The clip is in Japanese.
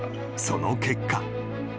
［その結果］